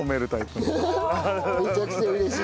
めちゃくちゃ嬉しい。